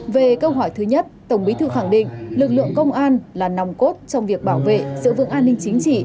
về câu hỏi thứ nhất tổng bí thư khẳng định lực lượng công an là nòng cốt trong việc bảo vệ sự vững an ninh chính trị